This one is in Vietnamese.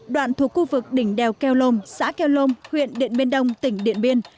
đoạn thuộc khu vực đỉnh đèo keo lom xã keo lom huyện điện biên đông tỉnh điện biên